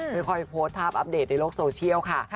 ค่อยโพสต์ภาพอัปเดตในโลกโซเชียลค่ะ